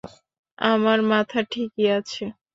আমার মাথা ঠিকই আছে!